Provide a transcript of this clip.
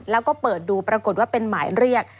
แล้วก็เปิดดูปรากฏว่าเป็นหมายเรียก